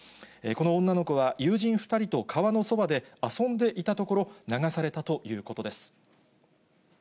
この女の子は、友人２人と川のそばで遊んでいたところ、流されたということです。